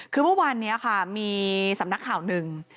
คือเมื่อวานนี้ค่ะมีสำนักข่าวหนึ่ง